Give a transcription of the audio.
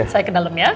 saya ke dalam ya